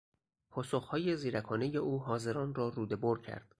پاسخهای زیرکانهی او حاضران را رودهبر کرد.